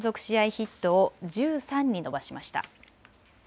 ヒットを１３に伸ばしました。